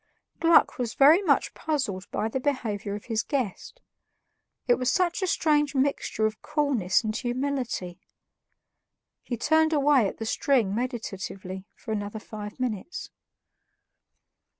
Gluck was very much puzzled by the behavior of his guest; it was such a strange mixture of coolness and humility. He turned away at the string meditatively for another five minutes.